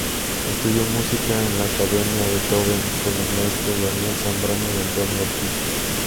Estudió música en la Academia Beethoven con los maestros Daniel Zambrano y Antonio Ortiz.